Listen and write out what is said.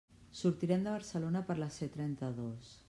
Sortirem de Barcelona per la C trenta-dos.